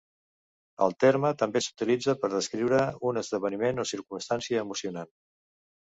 El terme també s'utilitza per descriure un esdeveniment o circumstància emocionant.